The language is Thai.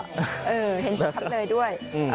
เออเห็นซักครั้งเลยด้วย